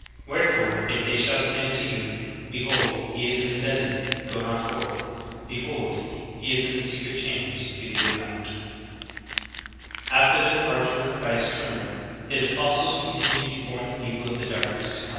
Wherefore if they shall say unto you, Behold, he is in the desert; go not forth: behold he is in the secret chambers; believe it not."« 27. After the departure of Christ from earth His apos tles continued to warn the people of the darkness to come. QAhios 8: 11, 12.